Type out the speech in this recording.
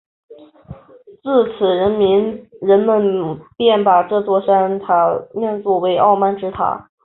自此人们便把这座塔叫作傲慢之塔。